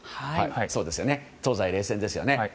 そうですよね東西冷戦ですよね。